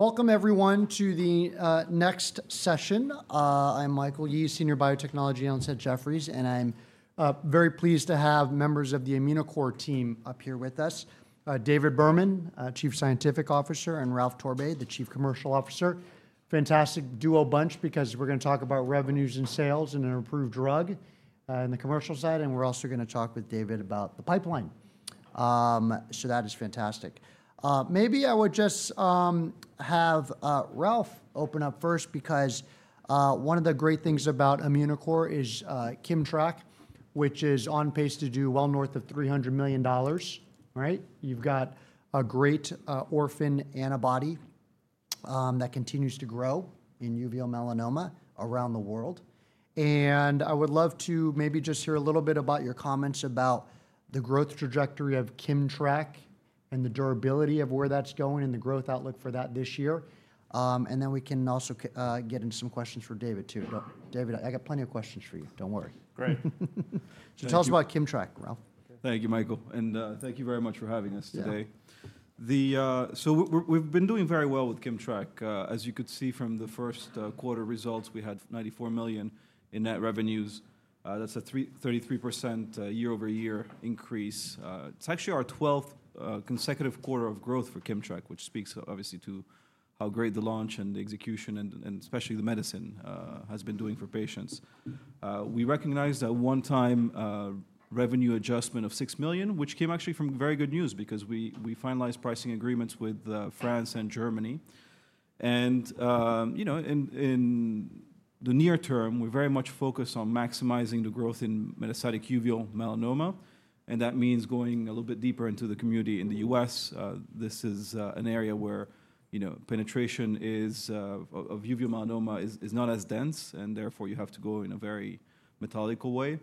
Welcome, everyone, to the next session. I'm Michael Yee, Senior Biotechnology at Jefferies, and I'm very pleased to have members of the Immunocore team up here with us: David Berman, Chief Scientific Officer, and Ralph Torbay, the Chief Commercial Officer. Fantastic duo bunch because we're going to talk about revenues and sales and an approved drug in the commercial side, and we're also going to talk with David about the pipeline. That is fantastic. Maybe I would just have Ralph open up first because one of the great things about Immunocore is KIMMTRAK, which is on pace to do well north of $300 million. You've got a great orphan antibody that continues to grow in uveal melanoma around the world. I would love to maybe just hear a little bit about your comments about the growth trajectory of KIMMTRAK and the durability of where that's going and the growth outlook for that this year. We can also get into some questions for David too. David, I got plenty of questions for you. Don't worry. Great. Tell us about KIMMTRAK, Ralph.Thank you, Michael. Thank you very much for having us today. Yeah. We have been doing very well with KIMMTRAK. As you could see from the first quarter results, we had $94 million in net revenues. That is a 33% year-over-year increase. It is actually our 12th consecutive quarter of growth for KIMMTRAK, which speaks obviously to how great the launch and the execution, and especially the medicine, has been doing for patients. We recognized a one-time revenue adjustment of $6 million, which came actually from very good news because we finalized pricing agreements with France and Germany. In the near term, we are very much focused on maximizing the growth in metastatic uveal melanoma. That means going a little bit deeper into the community in the U.S. This is an area where penetration of uveal melanoma is not as dense, and therefore you have to go in a very methodical way.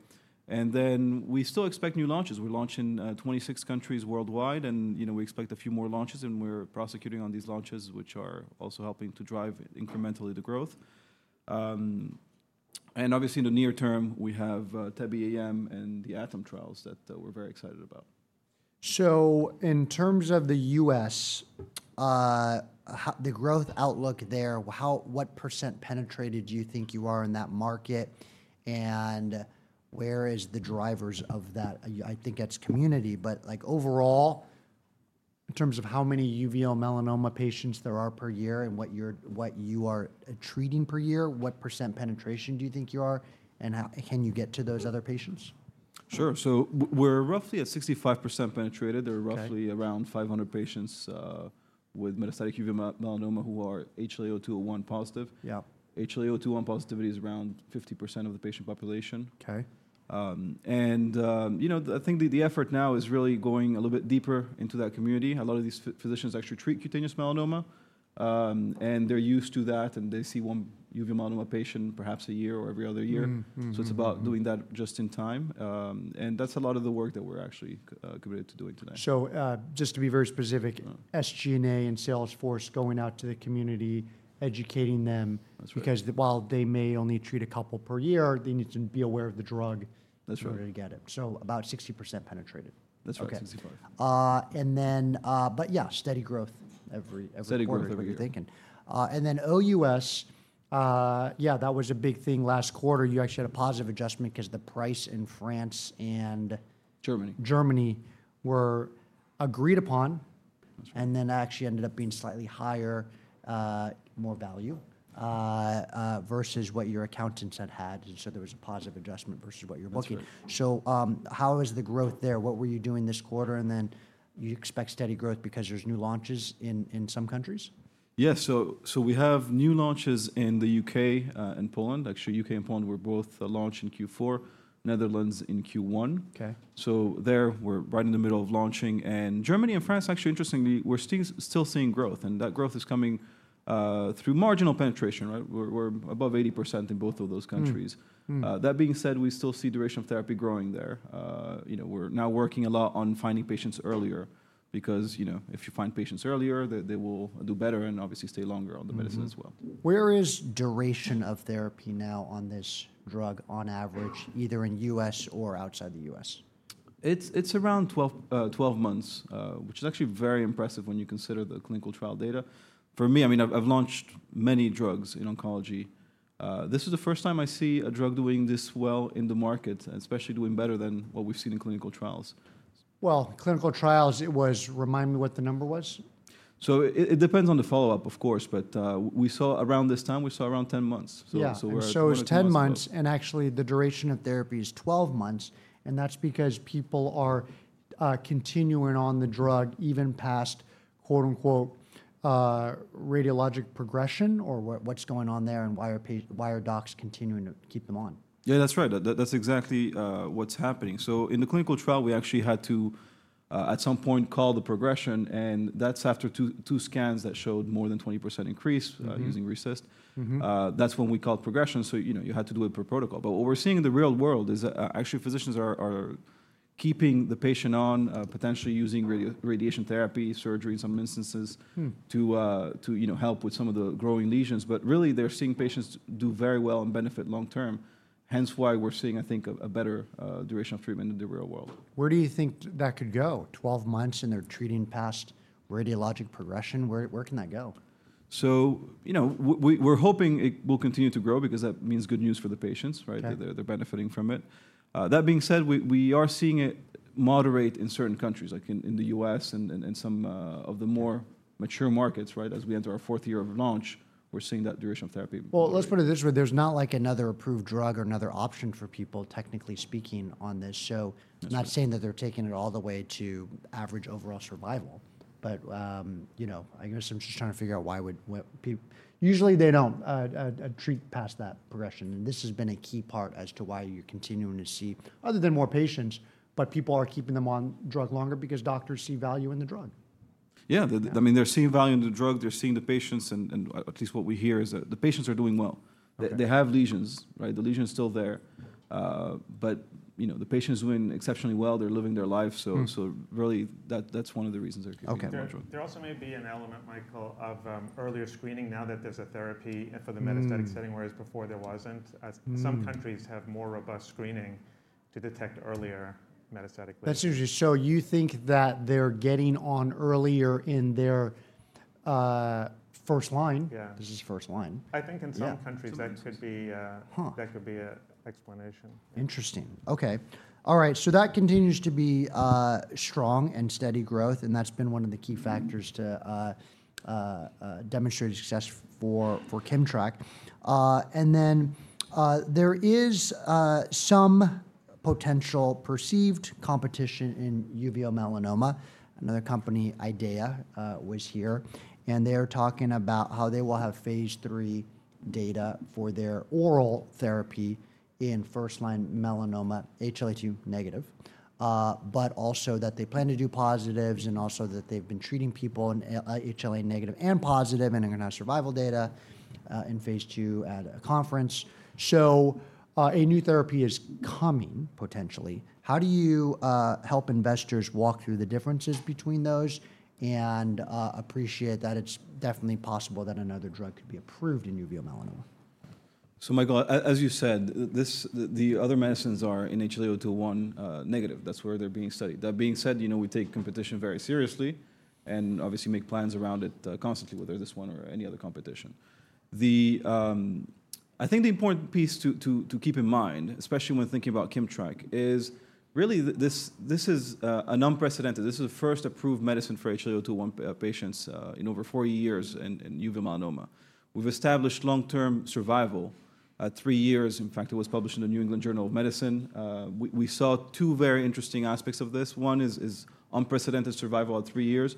We still expect new launches. We're launching in 26 countries worldwide, and we expect a few more launches. We're prosecuting on these launches, which are also helping to drive incrementally the growth. Obviously, in the near term, we have TEBE-AM and the ATOM trials that we're very excited about. In terms of the US, the growth outlook there, what % penetrated do you think you are in that market? Where are the drivers of that? I think that's community. Overall, in terms of how many uveal melanoma patients there are per year and what you are treating per year, what % penetration do you think you are? Can you get to those other patients? Sure. We're roughly at 65% penetrated. There are roughly around 500 patients with metastatic uveal melanoma who are HLA-A*02:01 positive. Yup. HLA-A*02:01 positivity is around 50% of the patient population. Okay. I think the effort now is really going a little bit deeper into that community. A lot of these physicians actually treat cutaneous melanoma, and they're used to that. They see one uveal melanoma patient perhaps a year or every other year. It is about doing that just in time. That is a lot of the work that we're actually committed to doing today. So just to be very specific, SG&A and Salesforce going out to the community, educating them, because while they may only treat a couple per year, they need to be aware of the drug in order to get it. About 60% penetrated. That's right, 65. Yeah, steady growth. Steady growth every year. OUS, yeah, that was a big thing last quarter. You actually had a positive adjustment because the price in France and. Germany. Germany were agreed upon. It actually ended up being slightly higher, more value versus what your accountants had had. There was a positive adjustment versus what you're booking. How is the growth there? What were you doing this quarter? Do you expect steady growth because there's new launches in some countries? Yeah. We have new launches in the U.K. and Poland. Actually, U.K. and Poland were both launched in Q4, Netherlands in Q1. Okay There we are right in the middle of launching. Germany and France, actually, interestingly, we are still seeing growth. That growth is coming through marginal penetration. We are above 80% in both of those countries. That being said, we still see duration of therapy growing there. We are now working a lot on finding patients earlier because if you find patients earlier, they will do better and obviously stay longer on the medicine as well. Where is duration of therapy now on this drug on average, either in the U.S. or outside the U.S.? It's around 12 months, which is actually very impressive when you consider the clinical trial data. For me, I mean, I've launched many drugs in oncology. This is the first time I see a drug doing this well in the market, especially doing better than what we've seen in clinical trials. Clinical trials, it was remind me what the number was. It depends on the follow-up, of course. Around this time, we saw around 10 months. Yeah. It was 10 months. And actually, the duration of therapy is 12 months. That's because people are continuing on the drug even past "radiologic progression" or what's going on there and why are docs continuing to keep them on. Yeah, that's right. That's exactly what's happening. In the clinical trial, we actually had to, at some point, call the progression. That's after two scans that showed more than 20% increase using RECIST. That's when we called progression. You had to do it per protocol. What we're seeing in the real world is actually physicians are keeping the patient on, potentially using radiation therapy, surgery in some instances to help with some of the growing lesions. Really, they're seeing patients do very well and benefit long-term. Hence why we're seeing, I think, a better duration of treatment in the real world. Where do you think that could go? Twelve months and they're treating past radiologic progression. Where can that go? We're hoping it will continue to grow because that means good news for the patients. They're benefiting from it. That being said, we are seeing it moderate in certain countries, like in the US and some of the more mature markets. As we enter our fourth year of launch, we're seeing that duration of therapy. Let's put it this way. There's not like another approved drug or another option for people, technically speaking, on this. I'm not saying that they're taking it all the way to average overall survival. I guess I'm just trying to figure out why would usually they don't treat past that progression. This has been a key part as to why you're continuing to see, other than more patients, but people are keeping them on drug longer because doctors see value in the drug. Yeah. I mean, they're seeing value in the drug. They're seeing the patients. And at least what we hear is that the patients are doing well. They have lesions. The lesion is still there. But the patients are doing exceptionally well. They're living their life. So really, that's one of the reasons they're keeping the drug. There also may be an element, Michael, of earlier screening now that there is a therapy for the metastatic setting, whereas before there was not. Some countries have more robust screening to detect earlier metastatic lesions. That's interesting. You think that they're getting on earlier in their first line? Yeah. This is first line. I think in some countries that could be an explanation. Interesting. Okay. All right. That continues to be strong and steady growth. That has been one of the key factors to demonstrate success for Kimmtrak. There is some potential perceived competition in uveal melanoma. Another company, IDEAYA, was here. They are talking about how they will have phase III data for their oral therapy in first-line melanoma, HLA-A*02:01 negative, but also that they plan to do positives and also that they have been treating people in HLA negative and positive and are going to have survival data in phase II at a conference. A new therapy is coming, potentially. How do you help investors walk through the differences between those and appreciate that it is definitely possible that another drug could be approved in uveal melanoma? Michael, as you said, the other medicines are in HLA-A*02:01 negative. That's where they're being studied. That being said, we take competition very seriously and obviously make plans around it constantly, whether this one or any other competition. I think the important piece to keep in mind, especially when thinking about Kimmtrak, is really this is unprecedented. This is the first approved medicine for HLA-A*02:01 patients in over four years in uveal melanoma. We've established long-term survival at three years. In fact, it was published in the New England Journal of Medicine. We saw two very interesting aspects of this. One is unprecedented survival at three years,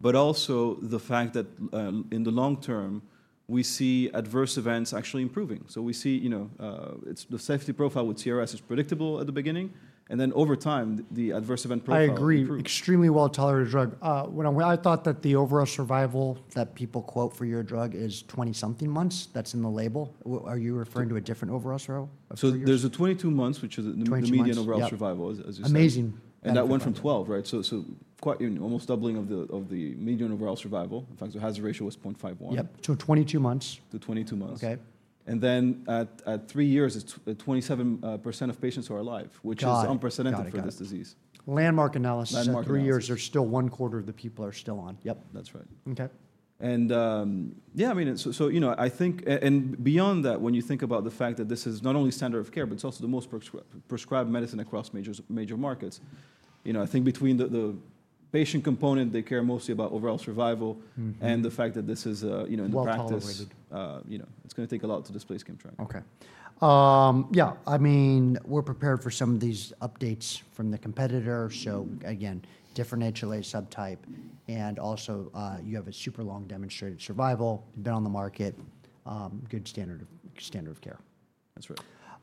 but also the fact that in the long term, we see adverse events actually improving. We see the safety profile with CRS is predictable at the beginning. Then over time, the adverse event profile improves. I agree. Extremely well-tolerated drug. I thought that the overall survival that people quote for your drug is 20-something months. That's in the label. Are you referring to a different overall survival? There's a 22 months, which is the median overall survival, as you said. Amazing. That went from 12, right? So almost doubling of the median overall survival. In fact, the hazard ratio was 0.51. Yep. So 22 months. To 22 months. At three years, it's 27% of patients who are alive, which is unprecedented for this disease. Landmark analysis. In three years, there's still one quarter of the people are still on. Yep. That's right. Okay. Yeah, I mean, I think, and beyond that, when you think about the fact that this is not only standard of care, but it's also the most prescribed medicine across major markets, I think between the patient component, they care mostly about overall survival and the fact that this is in the practice. Well-tolerated. It's going to take a lot to displace Kimmtrak. Okay. Yeah. I mean, we're prepared for some of these updates from the competitor. So again, different HLA subtype. And also you have a super long demonstrated survival. You've been on the market. Good standard of care. That's right.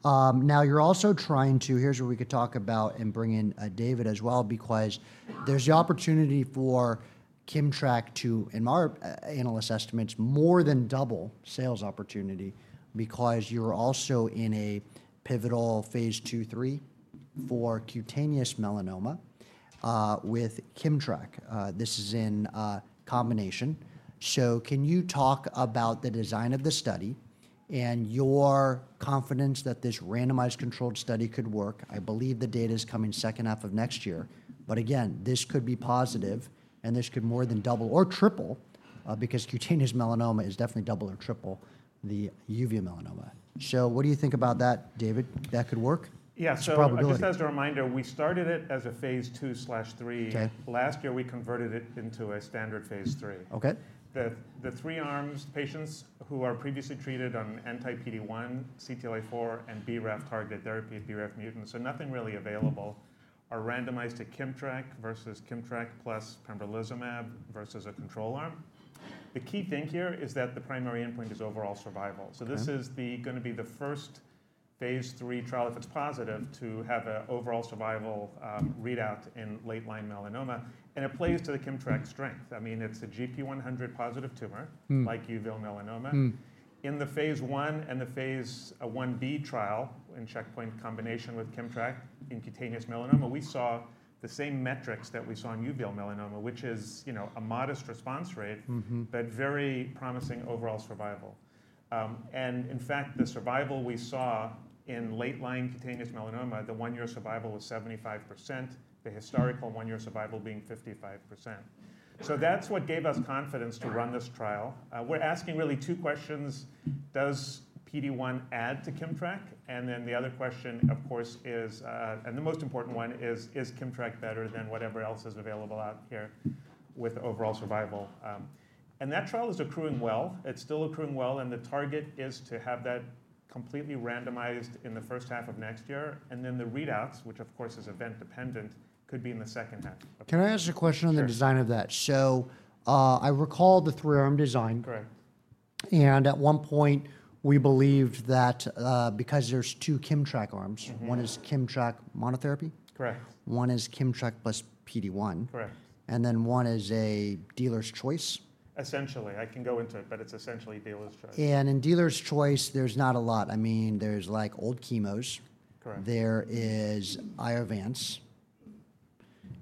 Now you're also trying to, here's where we could talk about and bring in David as well, because there's the opportunity for Kimmtrak to, in our analyst estimates, more than double sales opportunity because you're also in a pivotal phase II/III for cutaneous melanoma with KIMMTRAK. This is in combination. Can you talk about the design of the study and your confidence that this randomized controlled study could work? I believe the data is coming second half of next year. This could be positive, and this could more than double or triple because cutaneous melanoma is definitely double or triple the uveal melanoma. What do you think about that, David? That could work? Yeah. So just as a reminder, we started it as a phase II/III. Last year, we converted it into a standard phase III. The three arms, patients who are previously treated on anti-PD-1, CTLA4, and BRAF targeted therapy with BRAF mutant, so nothing really available, are randomized to Kimmtrak versus KIMMTRAK plus pembrolizumab versus a control arm. The key thing here is that the primary endpoint is overall survival. This is going to be the first phase III trial, if it's positive, to have an overall survival readout in late-line melanoma. It plays to the KIMMTRAK k strength. I mean, it's a GP100 positive tumor, like uveal melanoma. In the phase I and the phase IB trial in checkpoint combination with KIMMTRAK in cutaneous melanoma, we saw the same metrics that we saw in uveal melanoma, which is a modest response rate, but very promising overall survival. In fact, the survival we saw in late-line cutaneous melanoma, the one-year survival was 75%, the historical one-year survival being 55%. That is what gave us confidence to run this trial. We are asking really two questions. Does PD-1 add to KIMMTRAK? The other question, of course, is, and the most important one is, is Kimmtrak better than whatever else is available out here with overall survival? That trial is accruing well. It is still accruing well. The target is to have that completely randomized in the first half of next year. The readouts, which of course is event dependent, could be in the second half. Can I ask a question on the design of that? I recall the three-arm design. Correct. At one point, we believed that because there are two Kimmtrak arms, one is Kimmtrak monotherapy. Correct. One is Kimmtrak plus PD-1. Correct. One is a dealer's choice. Essentially. I can go into it, but it's essentially dealer's choice. In dealer's choice, there's not a lot. I mean, there's like old chemos. There is Iovance.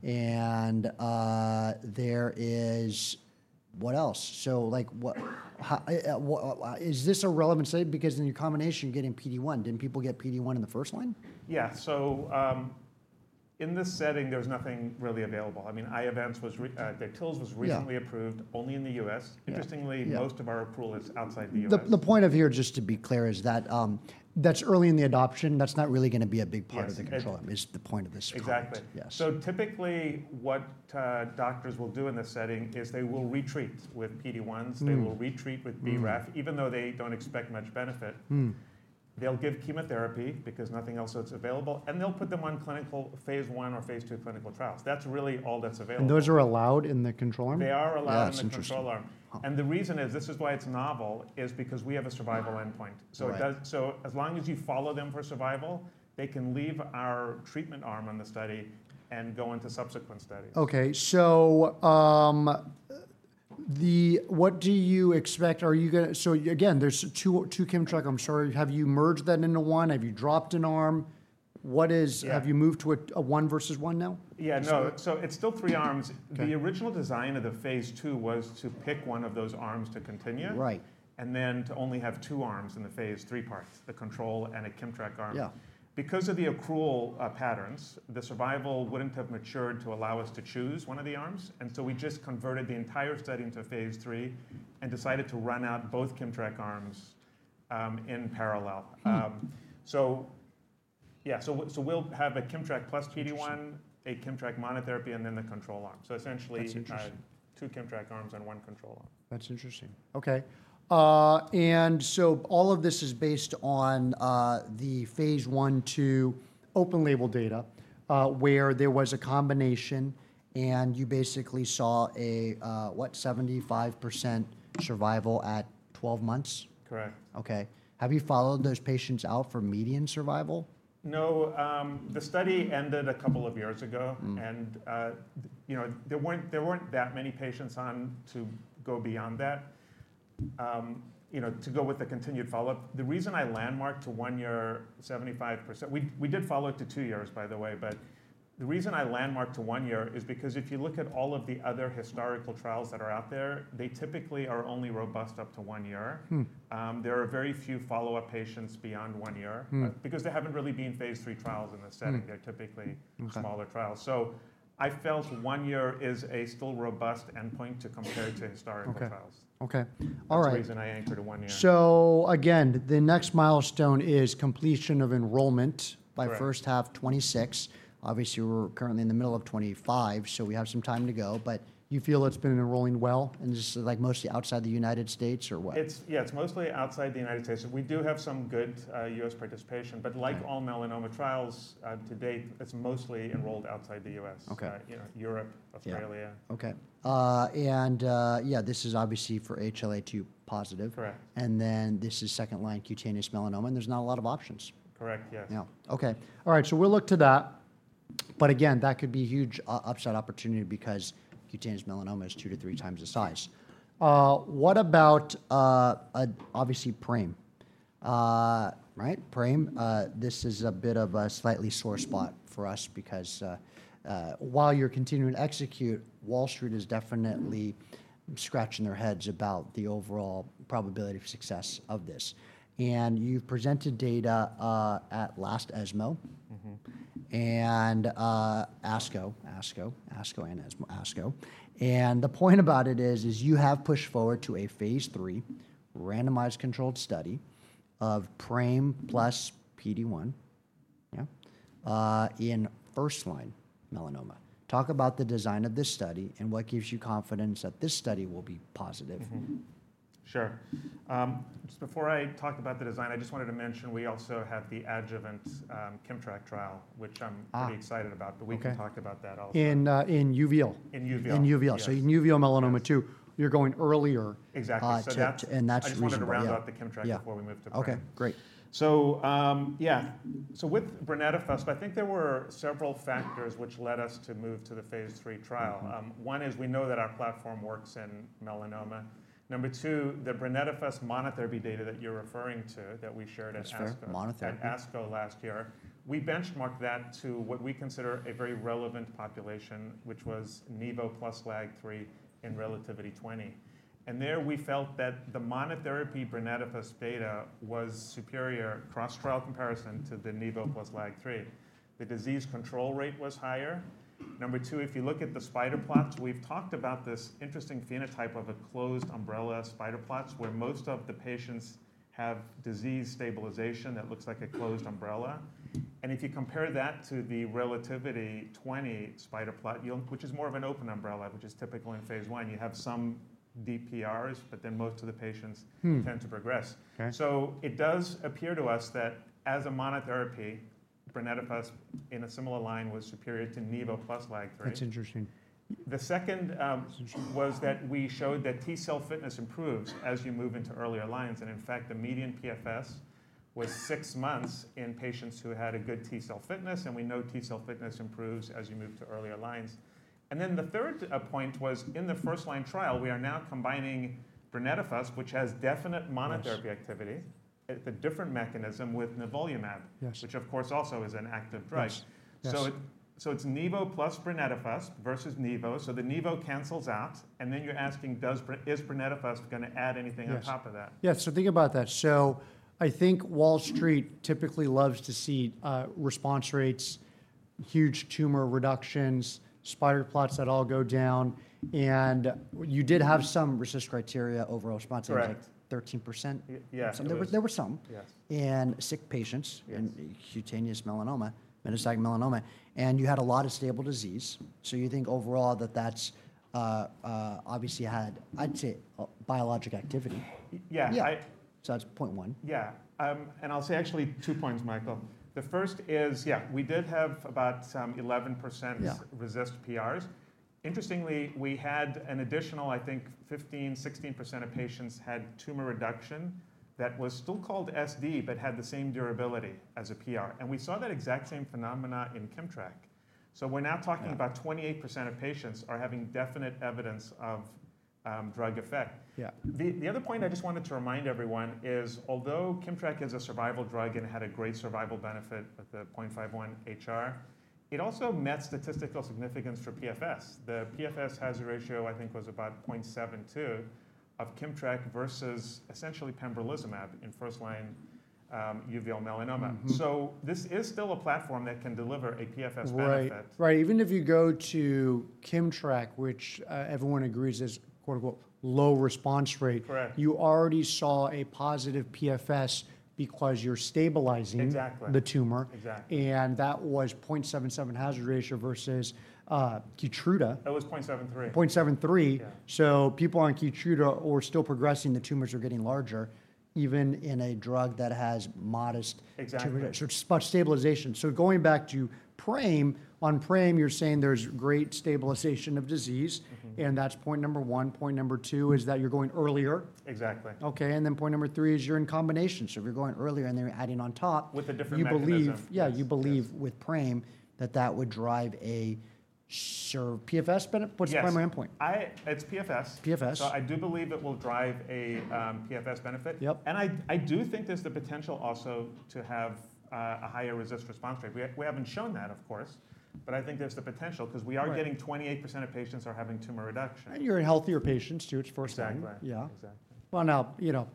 And there is what else? Is this a relevant study? Because in your combination, you're getting PD-1. Didn't people get PD-1 in the first line? Yeah. So in this setting, there's nothing really available. I mean, Iovance was, Amtagvi was recently approved only in the US. Interestingly, most of our approval is outside the US. The point of here, just to be clear, is that that's early in the adoption. That's not really going to be a big part of the control. Is the point of this trial? Exactly. Typically, what doctors will do in this setting is they will retreat with PD-1s. They will retreat with BRAF, even though they do not expect much benefit. They will give chemotherapy because nothing else is available. They will put them on clinical phase I or phase II clinical trials. That is really all that is available. Those are allowed in the control arm? They are allowed in the control arm. The reason is, this is why it's novel, is because we have a survival endpoint. As long as you follow them for survival, they can leave our treatment arm on the study and go into subsequent studies. Okay. What do you expect? Again, there are two Kimmtrak. I'm sorry. Have you merged that into one? Have you dropped an arm? Have you moved to a one versus one now? Yeah. No. So it's still three arms. The original design of the phase II was to pick one of those arms to continue. Right. To only have two arms in the phase III part, the control and a Kimmtrak arm. Because of the accrual patterns, the survival would not have matured to allow us to choose one of the arms. We just converted the entire study into phase III and decided to run out both KIMMTRAK arms in parallel. Yeah. We will have a KIMMTRAK plus PD-1, a KIMMTRAK monotherapy, and then the control arm. Essentially. That's interesting. Two KIMMTRAK arms and one control arm. That's interesting. Okay. And all of this is based on the phase I/II open label data where there was a combination and you basically saw a, what, 75% survival at 12 months? Correct. Okay. Have you followed those patients out for median survival? No. The study ended a couple of years ago. There weren't that many patients on to go beyond that to go with the continued follow-up. The reason I landmarked to one year, 75%, we did follow it to two years, by the way. The reason I landmarked to one year is because if you look at all of the other historical trials that are out there, they typically are only robust up to one year. There are very few follow-up patients beyond one year because there haven't really been phase III trials in this setting. They're typically smaller trials. I felt one year is a still robust endpoint to compare to historical trials. Okay. All right. That's the reason I anchored to one year. Again, the next milestone is completion of enrollment by first half 2026. Obviously, we're currently in the middle of 2025, so we have some time to go. But you feel it's been enrolling well? This is like mostly outside the U.S. or what? Yeah. It's mostly outside the U.S. So we do have some good U.S. participation. But like all melanoma trials to date, it's mostly enrolled outside the U.S., Europe, Australia. Okay. And yeah, this is obviously for HLA-A*02:01 positive. Correct. This is second-line cutaneous melanoma. And there's not a lot of options. Correct. Yes. Yeah. Okay. All right. So we'll look to that. That could be a huge upside opportunity because cutaneous melanoma is two to three times the size. What about obviously PRAME, right? PRAME, this is a bit of a slightly sore spot for us because while you're continuing to execute, Wall Street is definitely scratching their heads about the overall probability of success of this. You've presented data at last ESMO and ASCO, ASCO, ASCO and ASCO. The point about it is you have pushed forward to a phase III randomized controlled study of PRAME plus PD-1 in first-line melanoma. Talk about the design of this study and what gives you confidence that this study will be positive. Sure. Before I talk about the design, I just wanted to mention we also have the adjuvant Kimmtrak trial, which I'm pretty excited about. We can talk about that also. In uveal. In uveal. In uveal. In uveal melanoma II, you're going earlier. Exactly. That is reasonable. I just wanted to round out the Kimmtrak before we move to PRAME. Okay. Great. Yeah. With KIMMTRAK, I think there were several factors which led us to move to the phase III trial. One is we know that our platform works in melanoma. Number two, the Kimmtrak monotherapy data that you're referring to that we shared at ASCO. ASCO monotherapy. At ASCO last year, we benchmarked that to what we consider a very relevant population, which was Nevo plus Lag 3 in Relativity 20. There we felt that the monotherapy KIMMTRAK data was superior cross-trial comparison to the Nevo plus Lag 3. The disease control rate was higher. Number two, if you look at the spider plots, we've talked about this interesting phenotype of a closed umbrella spider plot where most of the patients have disease stabilization that looks like a closed umbrella. If you compare that to the Relativity 20 spider plot, which is more of an open umbrella, which is typical in phase I, you have some DPRs, but then most of the patients tend to progress. It does appear to us that as a monotherapy, KIMMTRAK in a similar line was superior to Nevo plus Lag 3. That's interesting. The second was that we showed that T-cell fitness improves as you move into earlier lines. In fact, the median PFS was six months in patients who had a good T cell fitness. We know T cell fitness improves as you move to earlier lines. The third point was in the first-line trial, we are now combining Kimmtrak, which has definite monotherapy activity, the different mechanism, with nivolumab, which of course also is an active drug. It is nivo plus tebentafusp versus nivo. The nivo cancels out. You are asking, is tebentafusp going to add anything on top of that? Yes. So think about that. So I think Wall Street typically loves to see response rates, huge tumor reductions, spider plots that all go down. And you did have some RECIST criteria overall response like 13%. Yeah. There were some sick patients in cutaneous melanoma, metastatic melanoma. You had a lot of stable disease. You think overall that that's obviously had, I'd say, biologic activity. Yeah. That's point one. Yeah. And I'll say actually two points, Michael. The first is, yeah, we did have about 11% RECIST PRs. Interestingly, we had an additional, I think, 15%-16% of patients had tumor reduction that was still called SD, but had the same durability as a PR. And we saw that exact same phenomena in Kimmtrak. We are now talking about 28% of patients are having definite evidence of drug effect. Yeah. The other point I just wanted to remind everyone is although Kimmtrak is a survival drug and had a great survival benefit with the 0.51 HR, it also met statistical significance for PFS. The PFS hazard ratio, I think, was about 0.72 of KIMMTRAK versus essentially pembrolizumab in first-line uveal melanoma. This is still a platform that can deliver a PFS benefit. Right. Right. Even if you go to KIMMTRAK, which everyone agrees is "low response rate," you already saw a positive PFS because you're stabilizing the tumor. Exactly. That was 0.77 hazard ratio versus Keytruda. That was 0.73. 0.73. People on Keytruda were still progressing. The tumors are getting larger, even in a drug that has modest stabilization. Going back to PRAME, on PRAME, you're saying there's great stabilization of disease. That's point number one. Point number two is that you're going earlier. Exactly. Okay. And then point number three is you're in combination. If you're going earlier and then you're adding on top, you believe, yeah, you believe with PRAME that that would drive a PFS, puts a primary endpoint. It's PFS. PFS. I do believe it will drive a PFS benefit. Yep. I do think there's the potential also to have a higher RECIST response rate. We haven't shown that, of course. I think there's the potential because we are getting 28% of patients are having tumor reduction. You're a healthier patient too at first line. Exactly. Yeah. Now, you know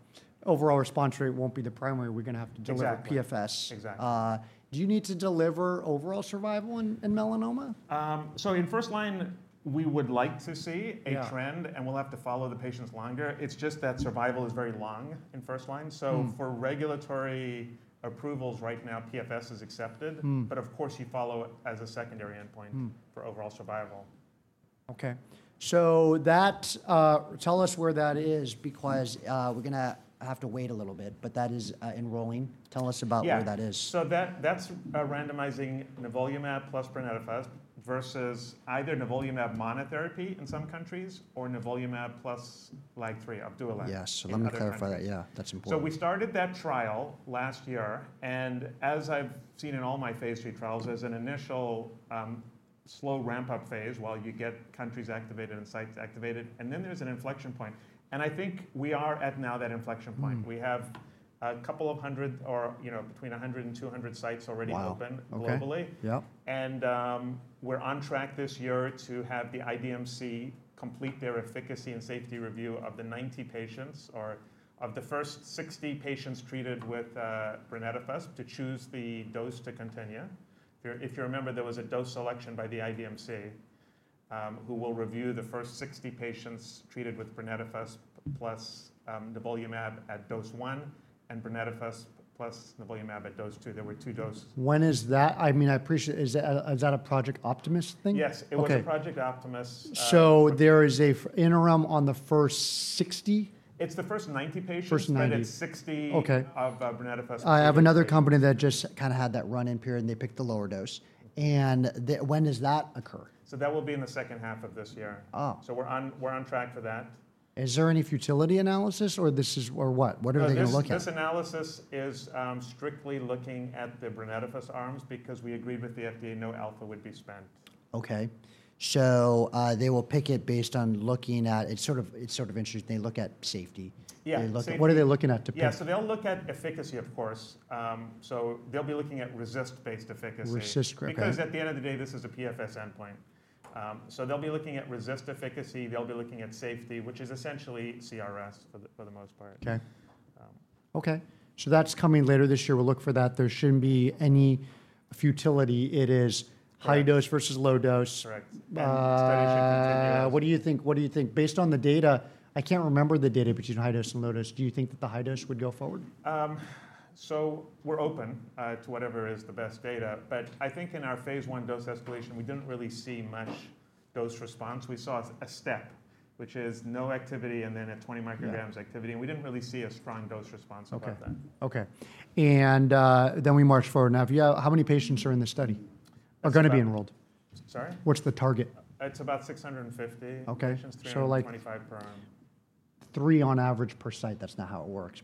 overall response rate won't be the primary. We're going to have to deliver PFS. Exactly. Do you need to deliver overall survival in melanoma? In first line, we would like to see a trend. We'll have to follow the patients longer. It's just that survival is very long in first line. For regulatory approvals right now, PFS is accepted. Of course, you follow it as a secondary endpoint for overall survival. Okay. Tell us where that is because we're going to have to wait a little bit. That is enrolling. Tell us about where that is. Yeah. So that's randomizing nivolumab plus tebentafusp versus either nivolumab monotherapy in some countries or nivolumab plus Relatlimab. Yes. Let me clarify that. Yeah. That's important. We started that trial last year. As I've seen in all my phase III trials, there's an initial slow ramp-up phase while you get countries activated and sites activated. Then there's an inflection point. I think we are at that inflection point now. We have between 100 and 200 sites already open globally. Yup We're on track this year to have the IDMC complete their efficacy and safety review of the first 60 patients treated with tebentafusp to choose the dose to continue. If you remember, there was a dose selection by the IDMC who will review the first 60 patients treated with tebentafusp plus nivolumab at dose one and tebentafusp plus nivolumab at dose two. There were two doses. When is that? I mean, is that a Project Optimist thing? Yes. It was Project Optimist. Is there an interim on the first 60? It's the first 90 patients. First 90. And then 60 of tebentafusp. I have another company that just kind of had that run-in period and they picked the lower dose. When does that occur? That will be in the second half of this year. We're on track for that. Is there any futility analysis or what? What are they going to look at? This analysis is strictly looking at the tebentafusp arms because we agreed with the FDA no alpha would be spent. Okay. They will pick it based on looking at it. It's sort of interesting. They look at safety. Yeah. What are they looking at to pick? Yeah. So they'll look at efficacy, of course. So they'll be looking at RECIST-based efficacy. Resist criteria. Because at the end of the day, this is a PFS endpoint. They'll be looking at RECIST efficacy. They'll be looking at safety, which is essentially CRS for the most part. Okay. Okay. So that's coming later this year. We'll look for that. There shouldn't be any futility. It is high dose versus low dose. Correct. What do you think? Based on the data, I can't remember the data, between high dose and low dose. Do you think that the high dose would go forward? We're open to whatever is the best data. I think in our phase one dose escalation, we didn't really see much dose response. We saw a step, which is no activity and then at 20 micrograms activity. We didn't really see a strong dose response above that. Okay. Okay. And then we marched forward. Now, how many patients are in the study? Are going to be enrolled? Sorry? What's the target? It's about 650 patients through 25 per arm. Three on average per site. That is not how it works.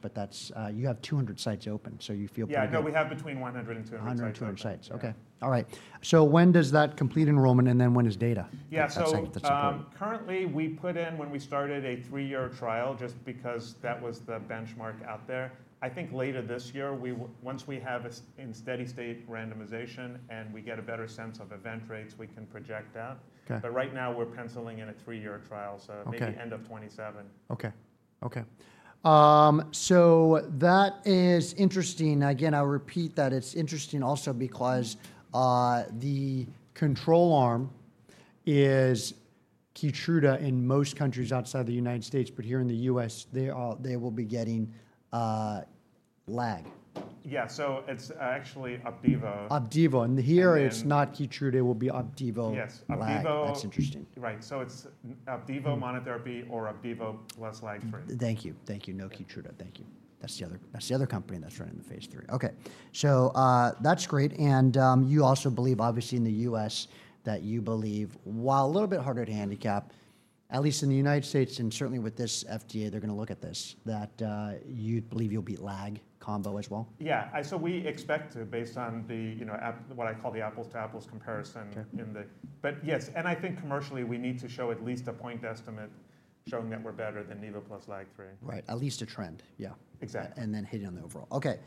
You have 200 sites open. You feel pretty. Yeah. No, we have between 100 and 200 sites. 100 and 200 sites. Okay. All right. So when does that complete enrollment? And then when is data? Yeah. So currently, we put in when we started a three-year trial just because that was the benchmark out there. I think later this year, once we have in steady-state randomization and we get a better sense of event rates, we can project that. Right now, we're penciling in a three-year trial. Maybe end of 2027. Okay. Okay. So that is interesting. Again, I'll repeat that. It's interesting also because the control arm is Keytruda in most countries outside the U.S. But here in the U.S., they will be getting Relatlimab. Yeah. So it's actually Opdivo. Opdivo. Here, it's not Keytruda. It will be Opdivo. Yes. Opdivo. That's interesting. Right. So it's Opdivo monotherapy or Opdivo plus Lag 3. Thank you. Thank you. No Keytruda. Thank you. That's the other company that's running the phase three. Okay. That's great. You also believe, obviously, in the US that you believe, while a little bit harder to handicap, at least in the United States and certainly with this FDA, they're going to look at this, that you believe you'll beat Lag combo as well? Yeah. We expect to, based on what I call the apples-to-apples comparison. Yes. I think commercially, we need to show at least a point estimate showing that we're better than Nevo plus Lag 3. Right. At least a trend. Yeah. Exactly. Then hitting on the overall. Okay.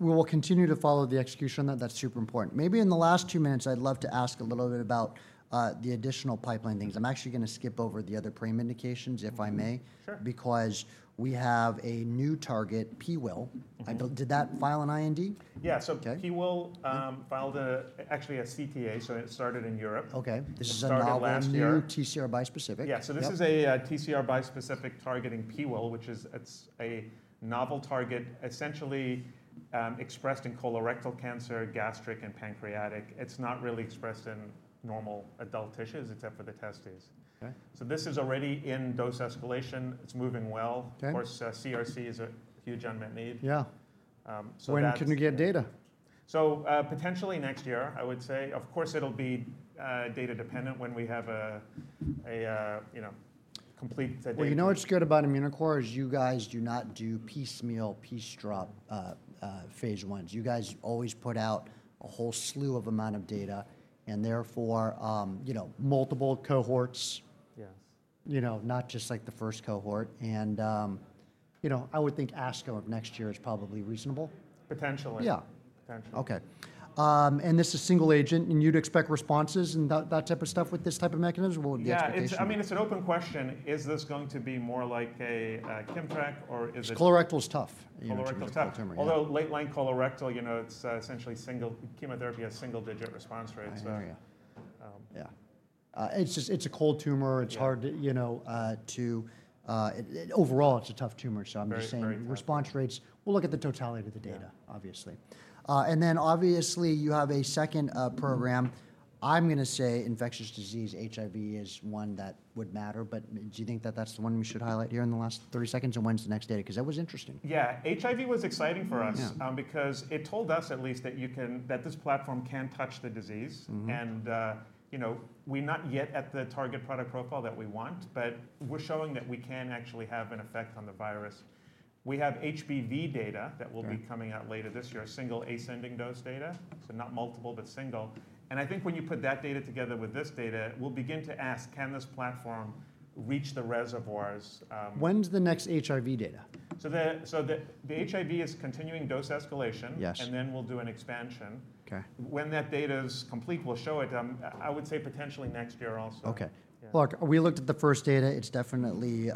We will continue to follow the execution on that. That is super important. Maybe in the last two minutes, I would love to ask a little bit about the additional pipeline things. I am actually going to skip over the other PRAME indications, if I may, Sure because we have a new target, PWIL. Did that file an IND? Yeah. PWIL filed actually a CTA. It started in Europe. Okay. This is a novel TCR bispecific. Yeah. This is a TCR bispecific targeting PWIL, which is a novel target, essentially expressed in colorectal cancer, gastric, and pancreatic. It is not really expressed in normal adult tissues except for the testes. This is already in dose escalation. It is moving well. Of course, CRC is a huge unmet need. Yeah. When can you get data? Potentially next year, I would say. Of course, it'll be data dependent when we have a complete data. You know what's good about Immunocore is you guys do not do piecemeal, piece-drop phase ones. You guys always put out a whole slew of amount of data and therefore multiple cohorts, not just like the first cohort. I would think ASCO of next year is probably reasonable. Potentially. Yeah. Potentially. Okay. This is single agent. You'd expect responses and that type of stuff with this type of mechanism? What would be expectations? Yeah. I mean, it's an open question. Is this going to be more like a Kimmtrak or is it? Colorectal is tough. Colorectal is tough. Although late-line colorectal, you know it's essentially single chemotherapy has single-digit response rates. Yeah. It's a cold tumor. It's hard to, overall, it's a tough tumor. I'm just saying response rates, we'll look at the totality of the data, obviously. You have a second program. I'm going to say infectious disease, HIV is one that would matter. Do you think that that's the one we should highlight here in the last 30 seconds? When's the next data? Because that was interesting. Yeah. HIV was exciting for us because it told us at least that this platform can touch the disease. We're not yet at the target product profile that we want. We're showing that we can actually have an effect on the virus. We have HBV data that will be coming out later this year, single ascending dose data. Not multiple, but single. I think when you put that data together with this data, we'll begin to ask, can this platform reach the reservoirs? When's the next HIV data? The HIV is continuing dose escalation. And then we'll do an expansion. When that data is complete, we'll show it. I would say potentially next year also. Okay. Look, we looked at the first data. It definitely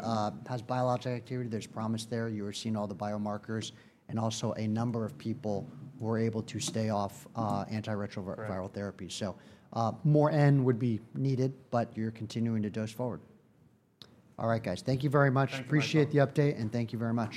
has biologic activity. There's promise there. You were seeing all the biomarkers. And also a number of people were able to stay off antiretroviral therapy. So more N would be needed. But you're continuing to dose forward. All right, guys. Thank you very much. Appreciate the update. And thank you very much.